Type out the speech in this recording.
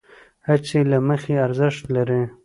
هڅې له مخې ارزښت لرې،